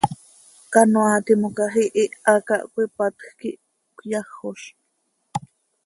Canoaa timoca ihiha cah cöipatj quih cöyajoz.